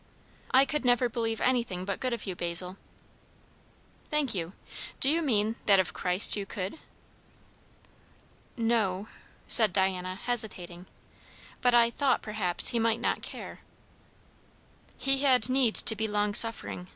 "I could never believe anything but good of you, Basil." "Thank you. Do you mean, that of Christ you could?" "No " said Diana, hesitating; "but I thought, perhaps, he might not care." "He had need to be long suffering!"